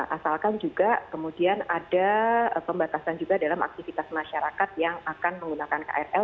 asalkan juga kemudian ada pembatasan juga dalam aktivitas masyarakat yang akan menggunakan krl